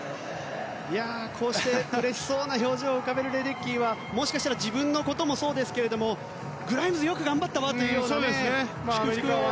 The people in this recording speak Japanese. うれしそうな表情を浮かべたレデッキーはもしかしたら自分のこともそうですけれどもグライムズ、よく頑張ったわというような祝福を。